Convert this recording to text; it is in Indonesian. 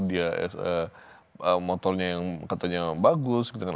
dia motornya yang katanya bagus